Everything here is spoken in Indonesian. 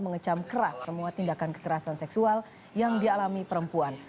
mengecam keras semua tindakan kekerasan seksual yang dialami perempuan